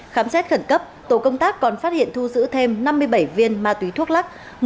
khám xét khẩn cấp tổ công tác còn phát hiện thu giữ thêm năm mươi bảy viên ma túy thuốc lắc